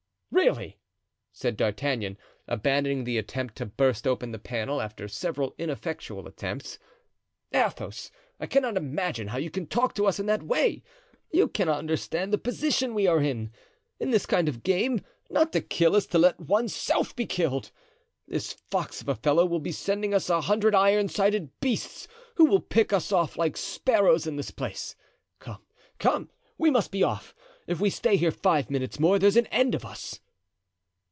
"Really!" said D'Artagnan, abandoning the attempt to burst open the panel after several ineffectual attempts, "Athos, I cannot imagine how you can talk to us in that way. You cannot understand the position we are in. In this kind of game, not to kill is to let one's self be killed. This fox of a fellow will be sending us a hundred iron sided beasts who will pick us off like sparrows in this place. Come, come, we must be off. If we stay here five minutes more there's an end of us."